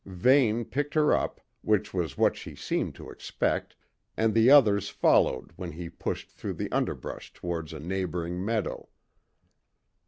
Vane picked her up, which was what she seemed to expect, and the others followed when he pushed through the underbush towards a neighbouring meadow.